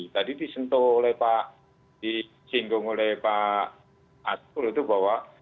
tadi disentuh oleh pak disinggung oleh pak asrul itu bahwa